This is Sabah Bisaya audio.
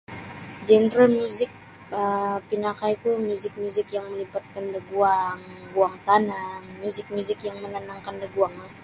Genre miuzik um pinakaiku miuzik-miuzik yang melibatkan da guang guang tanang miuzik-miuzik yang manyanangkan da guang lah.